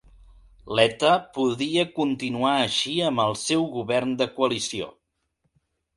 Letta podia continuar així amb el seu govern de coalició.